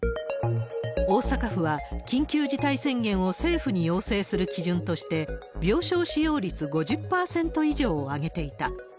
大阪府は緊急事態宣言を政府に要請する基準として、病床使用率５０％以上を挙げていた。